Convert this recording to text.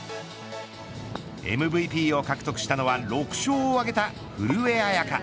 ＭＶＰを獲得したのは６勝を挙げた古江彩佳。